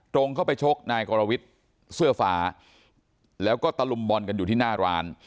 ตรงเข้าไปชกนายกรวิทย์เสื้อฟ้าแล้วก็ตะลุมบอลกันอยู่ที่หน้าร้าน